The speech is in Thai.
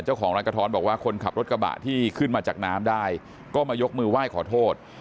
เจ้าของร้านกระท้อนบอกว่าคนขับรถกระบะที่ขึ้นมาจากน้ำได้ก็มายกมือไหว้ขอโทษ